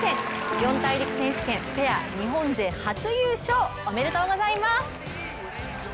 四大陸選手権ペア日本勢初優勝おめでとうございます。